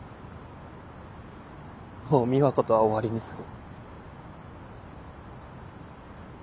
もう美和子とは終わりにする。